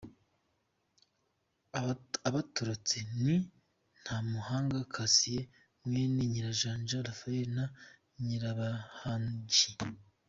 Abatorotse ni Ntamuhanga Cassien mwene Nyirajanja Raphaie na Nyirabahashyi.